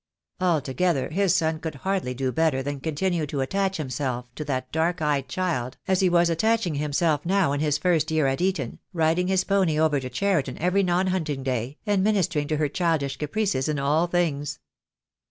Altogether his son could hardly do better than continue to attach himself to that dark eyed child as he was at taching himself now in his first year at Eton, riding his pony over to Cheriton every non hunting day, and minister ing to her childish caprices in all things.